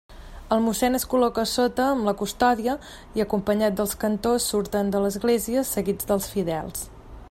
El mossèn es col·loca sota amb la custòdia, i acompanyat dels cantors surten de l'església, seguits dels fidels.